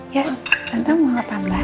yes tante mau ke pabrik